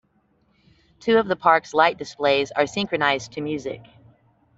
Two of the park's light displays are synchronized to music.